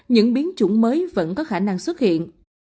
những biến chủng mới vẫn có khả năng xuất hiện